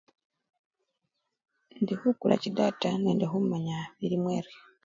Indi khukula chidata nende khumanya bili mu-eriya.